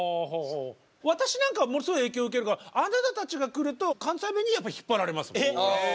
私なんかものすごい影響受けるからあなたたちが来ると関西弁にやっぱり引っ張られます。